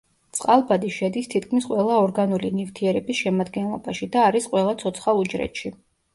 წყალბადი შედის თითქმის ყველა ორგანული ნივთიერების შემადგენლობაში და არის ყველა ცოცხალ უჯრედში.